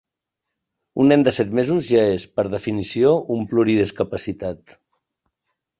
Un nen de set mesos ja és, per definició, un pluridiscapacitat.